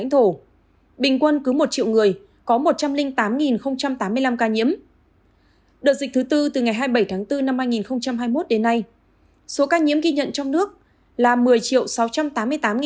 đợt dịch thứ bốn từ ngày hai mươi bảy tháng bốn năm hai nghìn hai mươi một đến nay số ca nhiễm ghi nhận trong nước là một mươi sáu trăm tám mươi tám tám trăm bảy mươi bảy ca